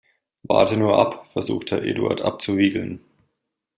Warte nur ab, versucht Herr Eduard abzuwiegeln.